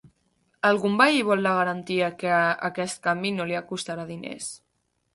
Algun veí vol la garantia que aquest canvi no li costarà diners.